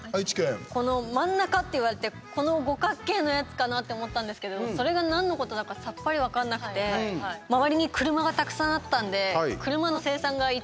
この真ん中って言われてこの五角形のやつかなって思ったんですけどそれがなんのことだかさっぱり分かんなくてなるほど、確かにね。